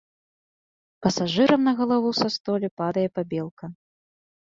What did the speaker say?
Пасажырам на галаву са столі падае пабелка.